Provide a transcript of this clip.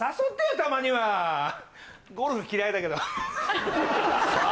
たまにはゴルフ嫌いだけどさあ